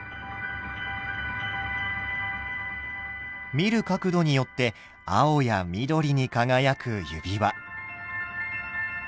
見る角度によって青や緑に輝く指輪。